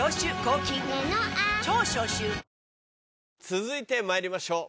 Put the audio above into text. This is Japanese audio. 続いてまいりましょう。